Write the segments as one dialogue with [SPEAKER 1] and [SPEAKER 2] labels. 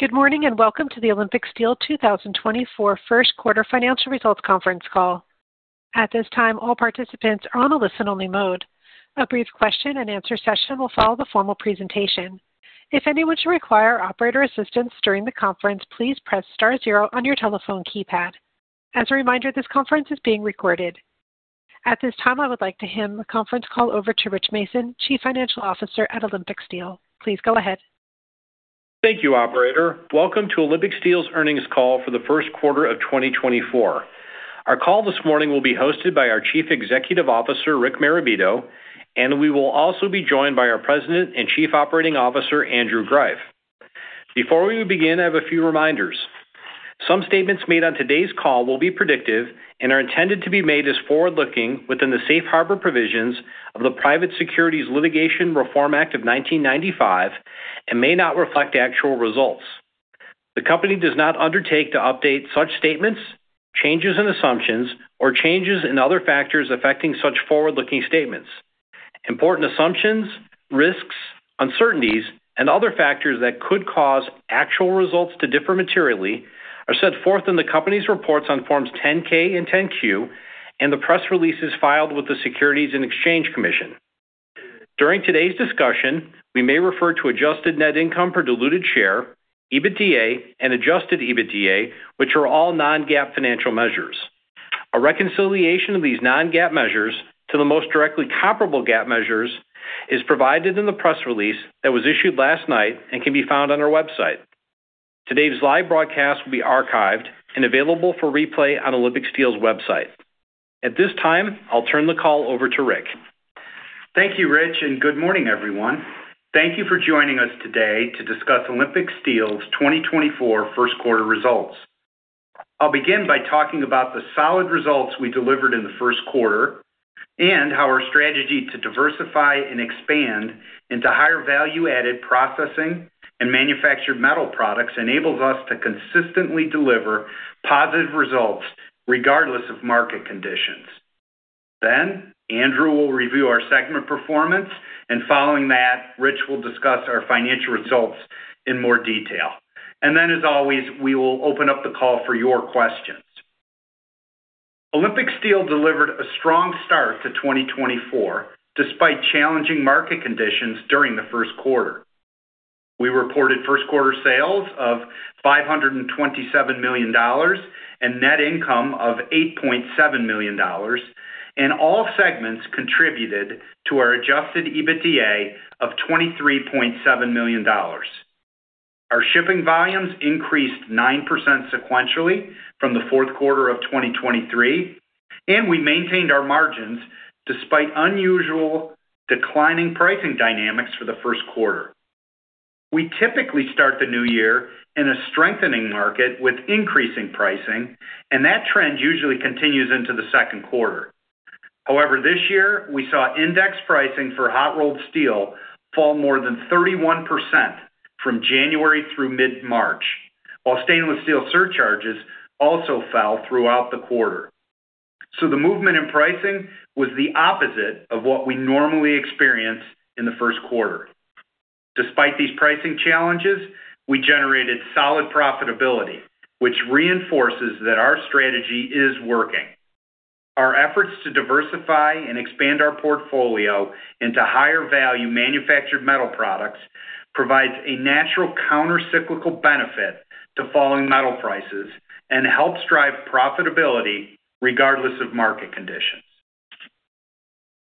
[SPEAKER 1] Good morning, and welcome to the Olympic Steel 2024 First Quarter Financial Results Conference Call. At this time, all participants are on a listen-only mode. A brief question and answer session will follow the formal presentation. If anyone should require operator assistance during the conference, please press star zero on your telephone keypad. As a reminder, this conference is being recorded. At this time, I would like to hand the conference call over to Rich Manson, Chief Financial Officer at Olympic Steel. Please go ahead.
[SPEAKER 2] Thank you, operator. Welcome to Olympic Steel's Earnings Call for the First Quarter of 2024. Our call this morning will be hosted by our Chief Executive Officer, Rick Marabito, and we will also be joined by our President and Chief Operating Officer, Andrew Greiff. Before we begin, I have a few reminders. Some statements made on today's call will be predictive and are intended to be made as forward-looking within the safe harbor provisions of the Private Securities Litigation Reform Act of 1995 and may not reflect actual results. The company does not undertake to update such statements, changes in assumptions, or changes in other factors affecting such forward-looking statements. Important assumptions, risks, uncertainties, and other factors that could cause actual results to differ materially are set forth in the company's reports on Forms 10-K and 10-Q and the press releases filed with the Securities and Exchange Commission. During today's discussion, we may refer to adjusted net income per diluted share, EBITDA, and adjusted EBITDA, which are all non-GAAP financial measures. A reconciliation of these non-GAAP measures to the most directly comparable GAAP measures is provided in the press release that was issued last night and can be found on our website. Today's live broadcast will be archived and available for replay on Olympic Steel's website. At this time, I'll turn the call over to Rick.
[SPEAKER 3] Thank you, Rich, and good morning, everyone. Thank you for joining us today to discuss Olympic Steel's 2024 first quarter results. I'll begin by talking about the solid results we delivered in the first quarter and how our strategy to diversify and expand into higher value-added processing and manufactured metal products enables us to consistently deliver positive results regardless of market conditions. Then, Andrew will review our segment performance, and following that, Rich will discuss our financial results in more detail. And then, as always, we will open up the call for your questions. Olympic Steel delivered a strong start to 2024, despite challenging market conditions during the first quarter. We reported first quarter sales of $527 million and net income of $8.7 million, and all segments contributed to our Adjusted EBITDA of $23.7 million. Our shipping volumes increased 9% sequentially from the fourth quarter of 2023, and we maintained our margins despite unusual declining pricing dynamics for the first quarter. We typically start the new year in a strengthening market with increasing pricing, and that trend usually continues into the second quarter. However, this year, we saw index pricing for hot-rolled steel fall more than 31% from January through mid-March, while stainless steel surcharges also fell throughout the quarter. So the movement in pricing was the opposite of what we normally experience in the first quarter. Despite these pricing challenges, we generated solid profitability, which reinforces that our strategy is working. Our efforts to diversify and expand our portfolio into higher-value manufactured metal products provides a natural countercyclical benefit to falling metal prices and helps drive profitability regardless of market conditions.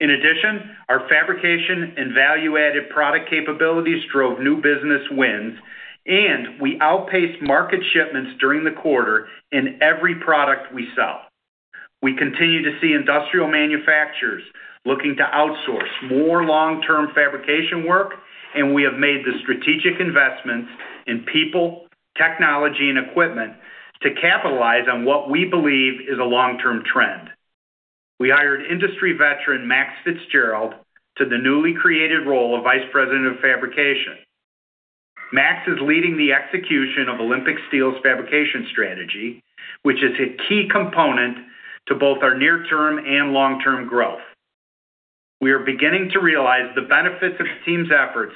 [SPEAKER 3] In addition, our fabrication and value-added product capabilities drove new business wins, and we outpaced market shipments during the quarter in every product we sell. We continue to see industrial manufacturers looking to outsource more long-term fabrication work, and we have made the strategic investments in people, technology, and equipment to capitalize on what we believe is a long-term trend. We hired industry veteran, Max Fitzgerald, to the newly created role of Vice President of Fabrication. Max is leading the execution of Olympic Steel's fabrication strategy, which is a key component to both our near-term and long-term growth. We are beginning to realize the benefits of the team's efforts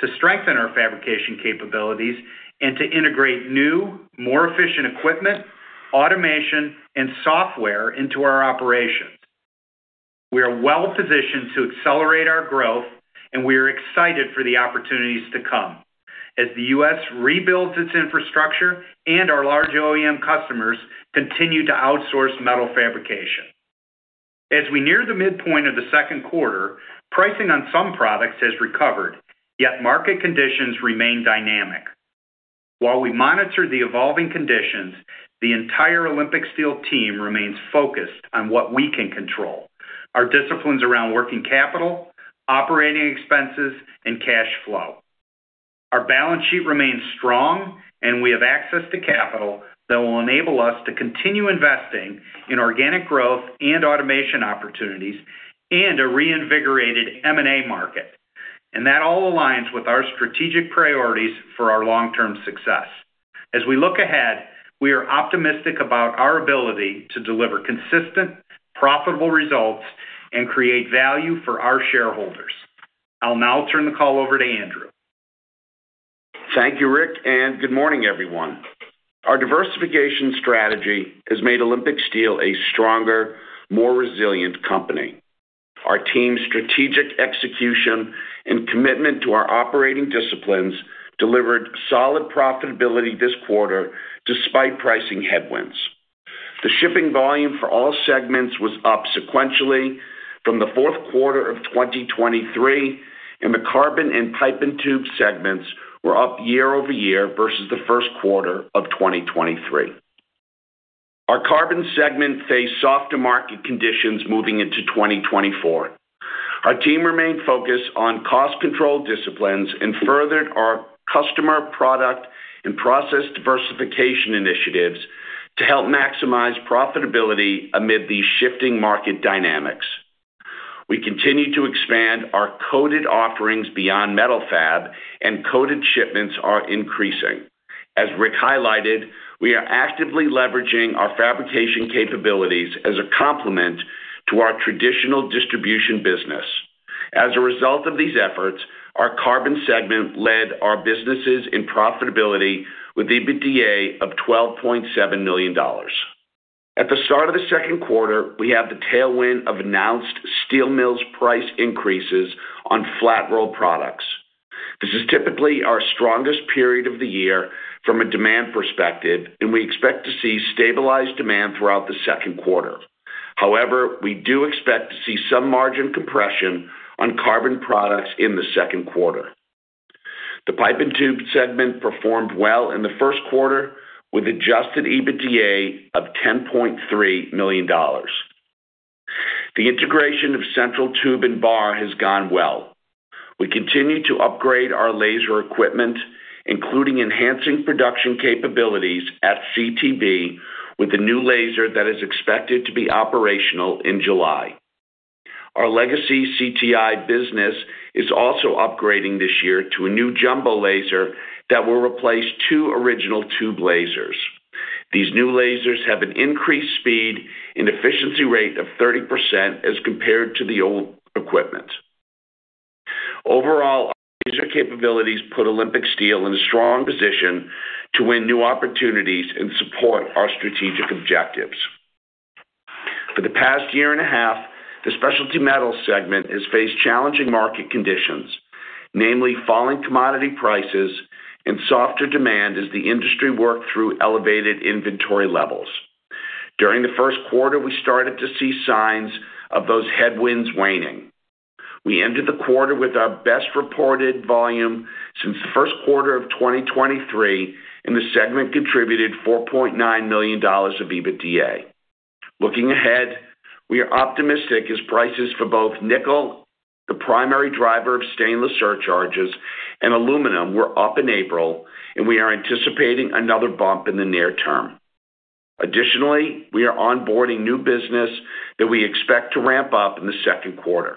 [SPEAKER 3] to strengthen our fabrication capabilities and to integrate new, more efficient equipment, automation, and software into our operations. We are well positioned to accelerate our growth, and we are excited for the opportunities to come as the U.S. rebuilds its infrastructure and our large OEM customers continue to outsource metal fabrication. As we near the midpoint of the second quarter, pricing on some products has recovered, yet market conditions remain dynamic. While we monitor the evolving conditions, the entire Olympic Steel team remains focused on what we can control: our disciplines around working capital, operating expenses, and cash flow. Our balance sheet remains strong, and we have access to capital that will enable us to continue investing in organic growth and automation opportunities and a reinvigorated M&A market. That all aligns with our strategic priorities for our long-term success. ...As we look ahead, we are optimistic about our ability to deliver consistent, profitable results and create value for our shareholders. I'll now turn the call over to Andrew.
[SPEAKER 4] Thank you, Rick, and good morning, everyone. Our diversification strategy has made Olympic Steel a stronger, more resilient company. Our team's strategic execution and commitment to our operating disciplines delivered solid profitability this quarter, despite pricing headwinds. The shipping volume for all segments was up sequentially from the fourth quarter of 2023, and the carbon and pipe and tube segments were up year-over-year versus the first quarter of 2023. Our carbon segment faced softer market conditions moving into 2024. Our team remained focused on cost control disciplines and furthered our customer, product, and process diversification initiatives to help maximize profitability amid these shifting market dynamics. We continue to expand our coated offerings beyond metal fab, and coated shipments are increasing. As Rick highlighted, we are actively leveraging our fabrication capabilities as a complement to our traditional distribution business. As a result of these efforts, our carbon segment led our businesses in profitability with EBITDA of $12.7 million. At the start of the second quarter, we have the tailwind of announced steel mills price increases on flat roll products. This is typically our strongest period of the year from a demand perspective, and we expect to see stabilized demand throughout the second quarter. However, we do expect to see some margin compression on carbon products in the second quarter. The pipe and tube segment performed well in the first quarter, with adjusted EBITDA of $10.3 million. The integration of Central Tube & Bar has gone well. We continue to upgrade our laser equipment, including enhancing production capabilities at CTB, with a new laser that is expected to be operational in July. Our legacy CTI business is also upgrading this year to a new jumbo laser that will replace two original tube lasers. These new lasers have an increased speed and efficiency rate of 30% as compared to the old equipment. Overall, our laser capabilities put Olympic Steel in a strong position to win new opportunities and support our strategic objectives. For the past year and a half, the specialty metal segment has faced challenging market conditions, namely falling commodity prices and softer demand as the industry worked through elevated inventory levels. During the first quarter, we started to see signs of those headwinds waning. We ended the quarter with our best reported volume since the first quarter of 2023, and the segment contributed $4.9 million of EBITDA. Looking ahead, we are optimistic as prices for both nickel, the primary driver of stainless surcharges, and aluminum were up in April, and we are anticipating another bump in the near term. Additionally, we are onboarding new business that we expect to ramp up in the second quarter.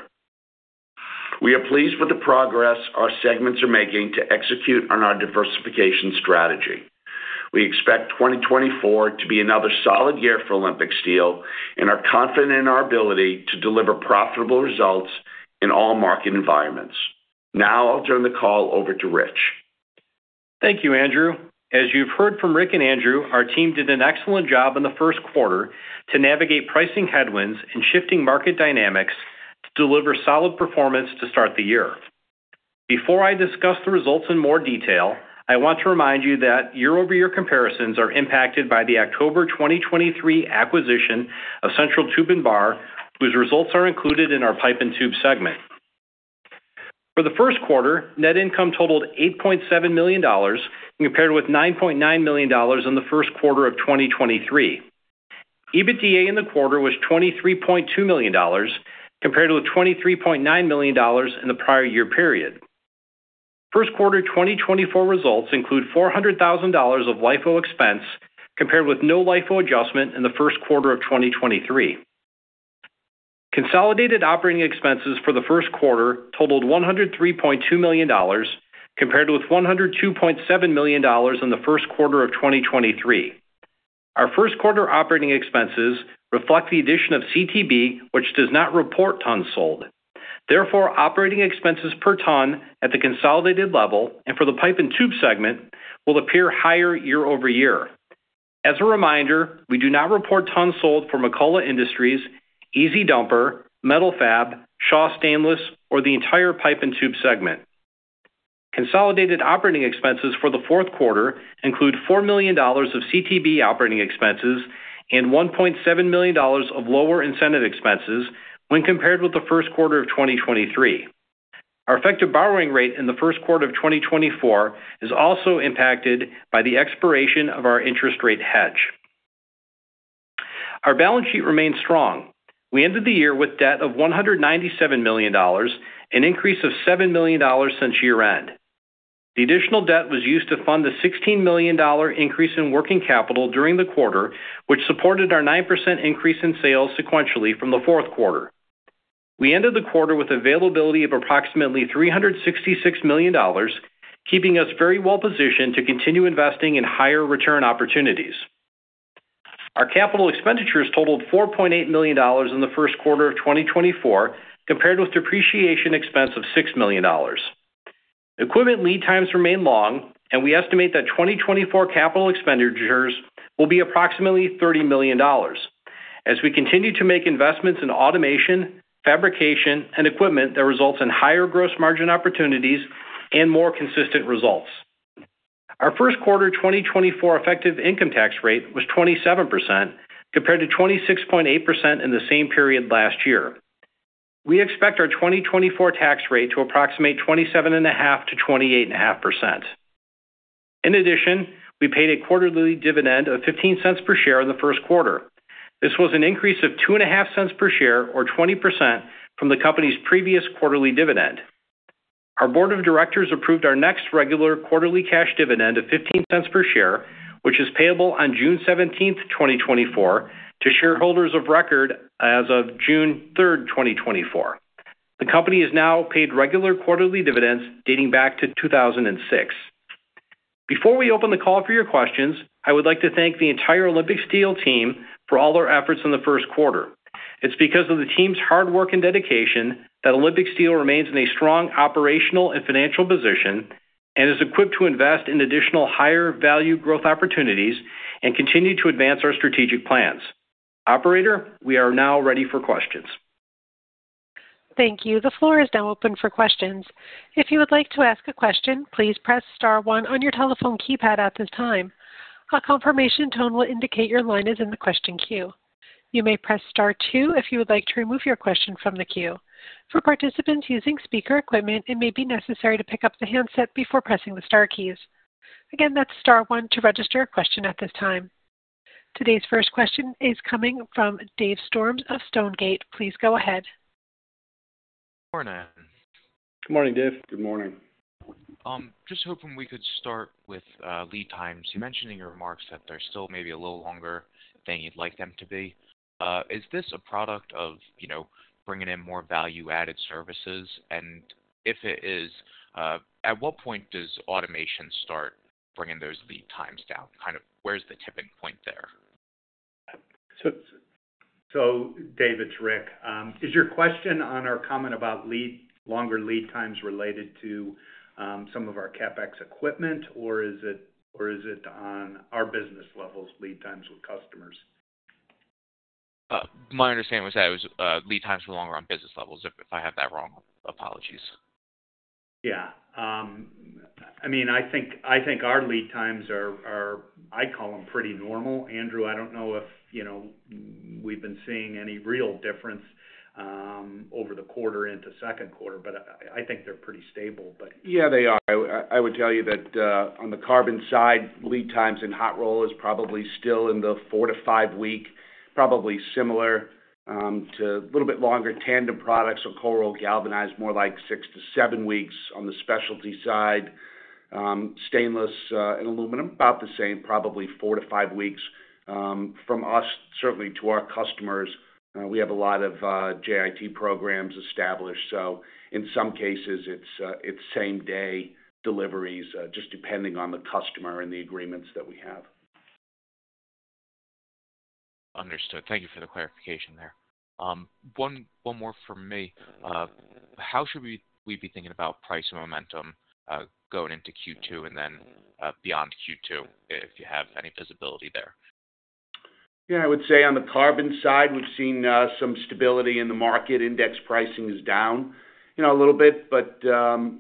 [SPEAKER 4] We are pleased with the progress our segments are making to execute on our diversification strategy. We expect 2024 to be another solid year for Olympic Steel and are confident in our ability to deliver profitable results in all market environments. Now I'll turn the call over to Rich.
[SPEAKER 2] Thank you, Andrew. As you've heard from Rick and Andrew, our team did an excellent job in the first quarter to navigate pricing headwinds and shifting market dynamics to deliver solid performance to start the year. Before I discuss the results in more detail, I want to remind you that year-over-year comparisons are impacted by the October 2023 acquisition of Central Tube & Bar, whose results are included in our pipe and tube segment. For the first quarter, net income totaled $8.7 million, compared with $9.9 million in the first quarter of 2023. EBITDA in the quarter was $23.2 million, compared to the $23.9 million in the prior year period. First quarter 2024 results include $400,000 of LIFO expense, compared with no LIFO adjustment in the first quarter of 2023. Consolidated operating expenses for the first quarter totaled $103.2 million, compared with $102.7 million in the first quarter of 2023. Our first quarter operating expenses reflect the addition of CTB, which does not report tons sold. Therefore, operating expenses per ton at the consolidated level and for the pipe and tube segment will appear higher year-over-year. As a reminder, we do not report tons sold for McCullough Industries, EZ Dumper, Metal-Fab, Shaw Stainless, or the entire pipe and tube segment. Consolidated operating expenses for the fourth quarter include $4 million of CTB operating expenses and $1.7 million of lower incentive expenses when compared with the first quarter of 2023. Our effective borrowing rate in the first quarter of 2024 is also impacted by the expiration of our interest rate hedge. Our balance sheet remains strong. We ended the year with debt of $197 million, an increase of $7 million since year-end. The additional debt was used to fund the $16 million increase in working capital during the quarter, which supported our 9% increase in sales sequentially from the fourth quarter. We ended the quarter with availability of approximately $366 million, keeping us very well-positioned to continue investing in higher return opportunities. Our capital expenditures totaled $4.8 million in the first quarter of 2024, compared with depreciation expense of $6 million. Equipment lead times remain long, and we estimate that 2024 capital expenditures will be approximately $30 million. As we continue to make investments in automation, fabrication, and equipment, that results in higher gross margin opportunities and more consistent results. Our first quarter 2024 effective income tax rate was 27%, compared to 26.8% in the same period last year. We expect our 2024 tax rate to approximate 27.5%-28.5%. In addition, we paid a quarterly dividend of $0.15 per share in the first quarter. This was an increase of $0.025 per share, or 20%, from the company's previous quarterly dividend. Our board of directors approved our next regular quarterly cash dividend of $0.15 per share, which is payable on June 17th, 2024, to shareholders of record as of June 3rd, 2024. The company has now paid regular quarterly dividends dating back to 2006. Before we open the call for your questions, I would like to thank the entire Olympic Steel team for all their efforts in the first quarter. It's because of the team's hard work and dedication that Olympic Steel remains in a strong operational and financial position, and is equipped to invest in additional higher value growth opportunities and continue to advance our strategic plans. Operator, we are now ready for questions.
[SPEAKER 1] Thank you. The floor is now open for questions. If you would like to ask a question, please press star one on your telephone keypad at this time. A confirmation tone will indicate your line is in the question queue. You may press star two if you would like to remove your question from the queue. For participants using speaker equipment, it may be necessary to pick up the handset before pressing the star keys. Again, that's star one to register a question at this time. Today's first question is coming from Dave Storms of Stonegate. Please go ahead.
[SPEAKER 5] Good morning.
[SPEAKER 2] Good morning, Dave.
[SPEAKER 3] Good morning.
[SPEAKER 5] Just hoping we could start with lead times. You mentioned in your remarks that they're still maybe a little longer than you'd like them to be. Is this a product of, you know, bringing in more value-added services? And if it is, at what point does automation start bringing those lead times down? Kind of where's the tipping point there?
[SPEAKER 3] Dave, it's Rick. Is your question on our comment about longer lead times related to some of our CapEx equipment, or is it on our business levels, lead times with customers?
[SPEAKER 5] My understanding was that it was lead times were longer on business levels. If I have that wrong, apologies.
[SPEAKER 3] Yeah, I mean, I think our lead times are, I'd call them pretty normal. Andrew, I don't know if, you know, we've been seeing any real difference over the quarter into second quarter, but I think they're pretty stable, but-
[SPEAKER 2] Yeah, they are. I would tell you that on the carbon side, lead times in hot roll is probably still in the four-five week, probably similar to a little bit longer tandem products or cold roll galvanized, more like six-seven weeks on the specialty side. Stainless and aluminum, about the same, probably four-five weeks from us, certainly to our customers, we have a lot of JIT programs established, so in some cases it's same-day deliveries just depending on the customer and the agreements that we have.
[SPEAKER 5] Understood. Thank you for the clarification there. One more from me. How should we be thinking about price and momentum going into Q2 and then beyond Q2, if you have any visibility there?
[SPEAKER 2] Yeah, I would say on the carbon side, we've seen some stability in the market. Index pricing is down, you know, a little bit, but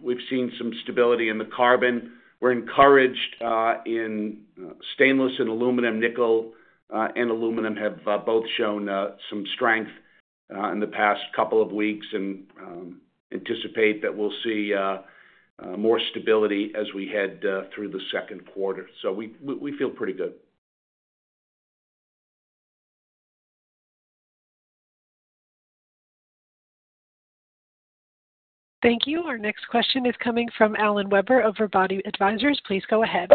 [SPEAKER 2] we've seen some stability in the carbon. We're encouraged in stainless and aluminum, nickel and aluminum have both shown some strength in the past couple of weeks and anticipate that we'll see more stability as we head through the second quarter. So we feel pretty good.
[SPEAKER 1] Thank you. Our next question is coming from Alan Weber of Robotti & Company. Please go ahead.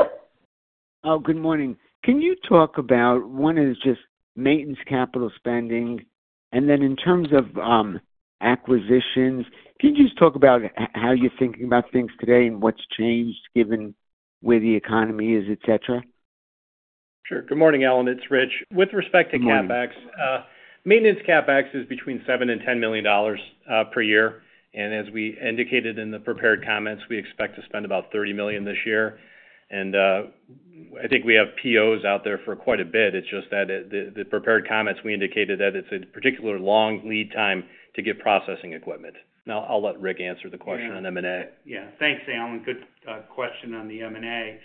[SPEAKER 6] Oh, good morning. Can you talk about, one is just maintenance capital spending, and then in terms of, acquisitions, can you just talk about how you're thinking about things today and what's changed, given where the economy is, et cetera?
[SPEAKER 2] Sure. Good morning, Alan, it's Rich. With respect to CapEx, maintenance CapEx is between $7 million and $10 million per year, and as we indicated in the prepared comments, we expect to spend about $30 million this year. And, I think we have POs out there for quite a bit. It's just that at the prepared comments, we indicated that it's a particularly long lead time to get processing equipment. Now, I'll let Rick answer the question on M&A.
[SPEAKER 3] Yeah. Thanks, Alan. Good question on the M&A.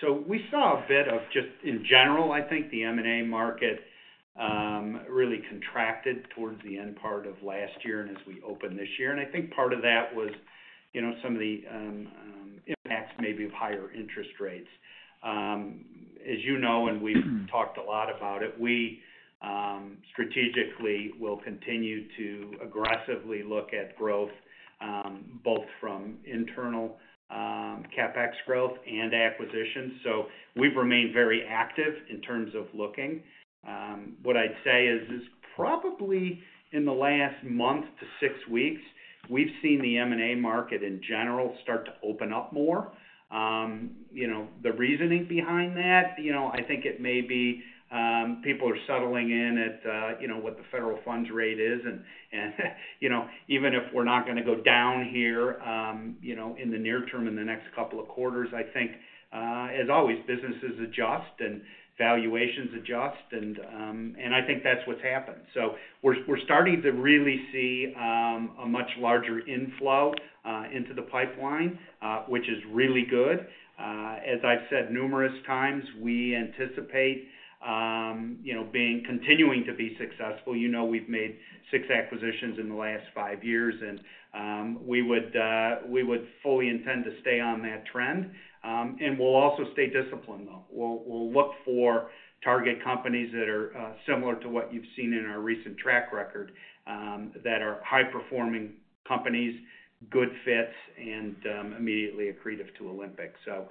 [SPEAKER 3] So we saw a bit of just in general, I think the M&A market really contracted towards the end part of last year and as we opened this year. And I think part of that was, you know, some of the impacts maybe of higher interest rates. As you know, and we've talked a lot about it, we strategically will continue to aggressively look at growth, both from internal CapEx growth and acquisitions. So we've remained very active in terms of looking. What I'd say is probably in the last month to six weeks, we've seen the M&A market in general start to open up more. You know, the reasoning behind that, you know, I think it may be people are settling in at, you know, what the federal funds rate is, and you know, even if we're not gonna go down here, you know, in the near term, in the next couple of quarters, I think, as always, businesses adjust and valuations adjust and I think that's what's happened. So we're starting to really see a much larger inflow into the pipeline, which is really good. As I've said numerous times, we anticipate you know, being continuing to be successful. You know, we've made six acquisitions in the last five years, and we would fully intend to stay on that trend. And we'll also stay disciplined, though. We'll look for target companies that are similar to what you've seen in our recent track record, that are high-performing companies, good fits, and immediately accretive to Olympic. So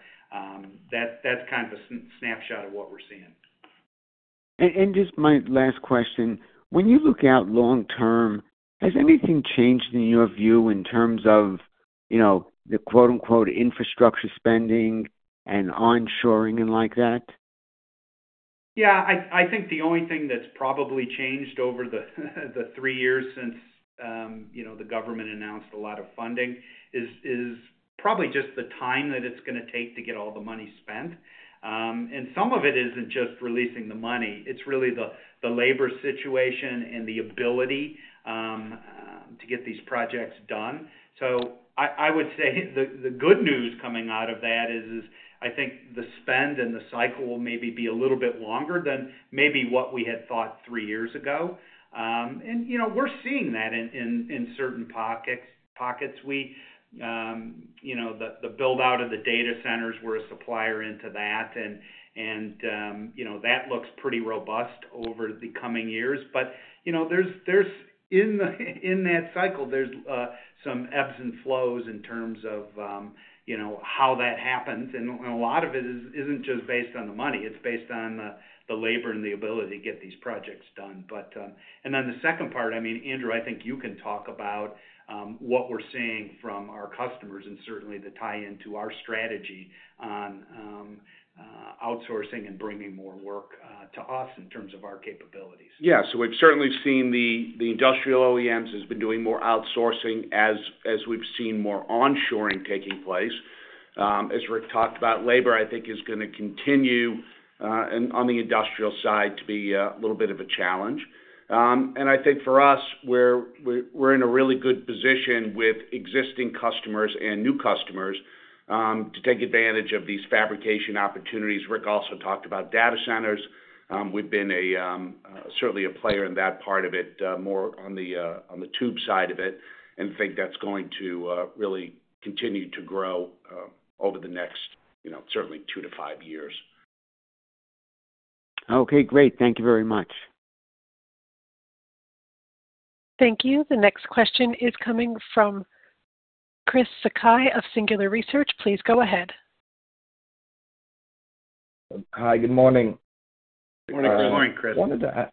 [SPEAKER 3] that's kind of a snapshot of what we're seeing.
[SPEAKER 6] Just my last question, when you look out long term, has anything changed in your view in terms of, you know, the quote-unquote, infrastructure spending and onshoring and like that?
[SPEAKER 3] Yeah, I think the only thing that's probably changed over the three years since you know the government announced a lot of funding is probably just the time that it's gonna take to get all the money spent. And some of it isn't just releasing the money, it's really the labor situation and the ability to get these projects done. So I would say the good news coming out of that is I think the spend and the cycle will maybe be a little bit longer than maybe what we had thought three years ago. And you know we're seeing that in certain pockets. You know the build-out of the data centers, we're a supplier into that, and you know that looks pretty robust over the coming years. You know, there's... In that cycle, there's some ebbs and flows in terms of, you know, how that happens. And a lot of it isn't just based on the money, it's based on the labor and the ability to get these projects done. But... And then the second part, I mean, Andrew, I think you can talk about what we're seeing from our customers and certainly the tie-in to our strategy on outsourcing and bringing more work to us in terms of our capabilities.
[SPEAKER 2] Yeah. So we've certainly seen the industrial OEMs has been doing more outsourcing as we've seen more onshoring taking place. As Rick talked about, labor, I think, is gonna continue and on the industrial side, to be a little bit of a challenge. And I think for us, we're in a really good position with existing customers and new customers to take advantage of these fabrication opportunities. Rick also talked about data centers. We've been certainly a player in that part of it, more on the tube side of it, and think that's going to really continue to grow over the next, you know, certainly two-five years.
[SPEAKER 6] Okay, great. Thank you very much.
[SPEAKER 1] Thank you. The next question is coming from Chris Sakai of Singular Research. Please go ahead.
[SPEAKER 7] Hi, good morning.
[SPEAKER 3] Good morning.
[SPEAKER 2] Good morning, Chris.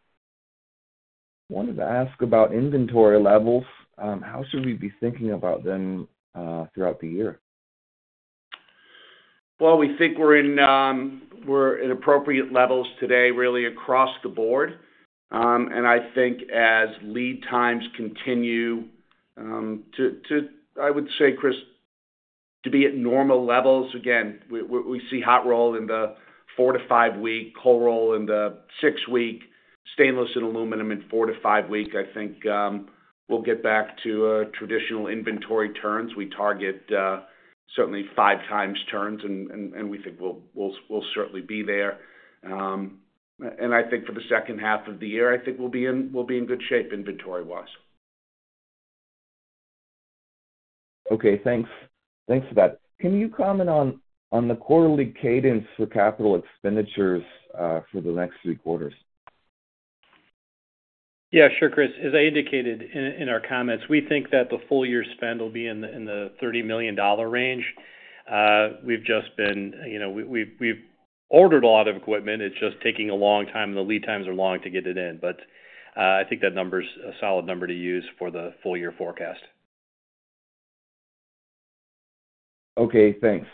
[SPEAKER 7] Wanted to ask about inventory levels. How should we be thinking about them throughout the year?
[SPEAKER 2] Well, we think we're in appropriate levels today, really across the board. I think as lead times continue to, I would say, Chris, to be at normal levels, again, we see hot roll in the four-five-week, cold roll in the six-week, stainless and aluminum in four-five-week. I think we'll get back to traditional inventory turns. We target certainly 5x turns, and we think we'll certainly be there. I think for the second half of the year, we'll be in good shape, inventory-wise.
[SPEAKER 7] Okay, thanks. Thanks for that. Can you comment on the quarterly cadence for capital expenditures for the next three quarters?
[SPEAKER 3] Yeah, sure, Chris. As I indicated in our comments, we think that the full year spend will be in the $30 million range. We've just been, you know, we've ordered a lot of equipment. It's just taking a long time. The lead times are long to get it in. But, I think that number's a solid number to use for the full year forecast.
[SPEAKER 7] Okay, thanks.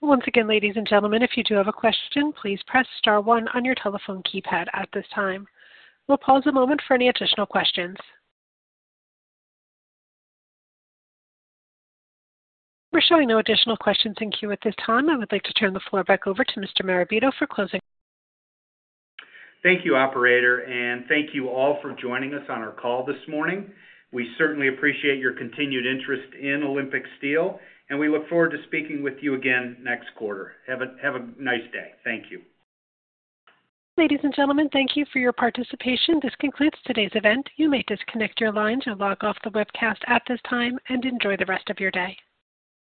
[SPEAKER 1] Once again, ladies and gentlemen, if you do have a question, please press star one on your telephone keypad at this time. We'll pause a moment for any additional questions. We're showing no additional questions in queue at this time. I would like to turn the floor back over to Mr. Marabito for closing.
[SPEAKER 3] Thank you, operator, and thank you all for joining us on our call this morning. We certainly appreciate your continued interest in Olympic Steel, and we look forward to speaking with you again next quarter. Have a nice day. Thank you.
[SPEAKER 1] Ladies and gentlemen, thank you for your participation. This concludes today's event. You may disconnect your lines and log off the webcast at this time, and enjoy the rest of your day.